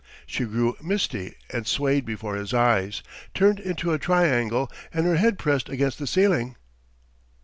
She grew misty and swayed before his eyes, turned into a triangle and her head pressed against the ceiling.